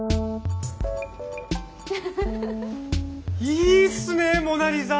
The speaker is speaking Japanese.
いいっすねモナ・リザ。